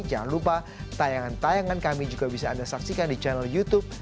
jangan lupa tayangan tayangan kami juga bisa anda saksikan di channel youtube